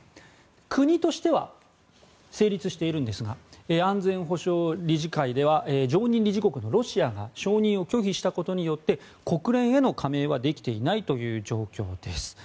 国としては成立しているんですが安全保障理事会では常任理事国のロシアが承認を拒否したことで国連への加盟はできていないという状況です。